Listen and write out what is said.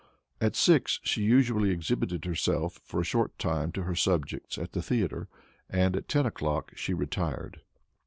At six she usually exhibited herself for a short time to her subjects at the theater, and at ten o'clock she retired.